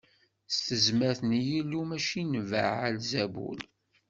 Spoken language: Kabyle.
S tezmert n Yillu mačči n Baɛal Zabul.